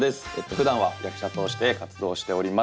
ふだんは役者として活動しております。